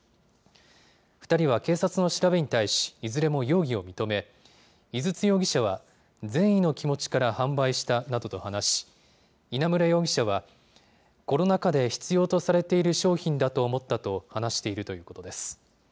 ２人は警察の調べに対し、いずれも容疑を認め、井筒容疑者は、善意の気持ちから販売したなどと話し、稲村容疑者は、コロナ禍で必要とされている商品だと思ったと話しているということです。